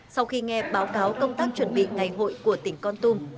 sau khi nghe báo cáo công tác chuẩn bị ngày hội của tỉnh con tum